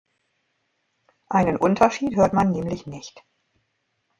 Einen Unterschied hört man nämlich nicht.